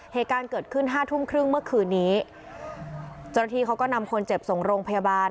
เหตุการณ์เกิดขึ้นห้าทุ่มครึ่งเมื่อคืนนี้เจ้าหน้าที่เขาก็นำคนเจ็บส่งโรงพยาบาล